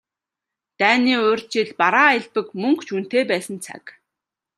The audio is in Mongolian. Дайны урьд жил бараа элбэг, мөнгө ч үнэтэй байсан цаг.